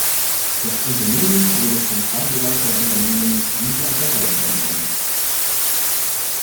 Das Unternehmen wurde vom Pasewalker Unternehmen Lila Bäcker übernommen.